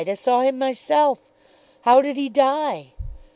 I saw him myself. How did he die?"